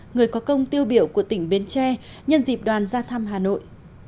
người có công tiêu biểu của tỉnh bến tre nhân dịp đoàn ra thăm hà nội